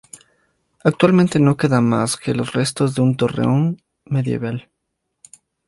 Actualmente no quedan más que los restos de un torreón medieval.